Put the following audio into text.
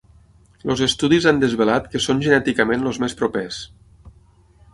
Els estudis han desvelat que són genèticament els més propers.